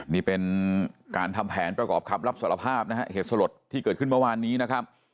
นี่เป็นการทำแผนประกอบคำรับสารภาพนะฮะเหตุสลดที่เกิดขึ้นเมื่อวานนี้นะครับ